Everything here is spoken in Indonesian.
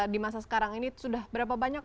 di masa sekarang ini sudah berapa banyak